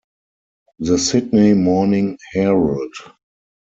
The Sydney Morning Herald.